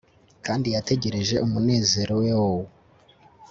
kandi yategereje umunezero wee-ow